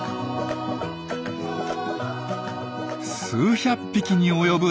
数百匹に及ぶ大群。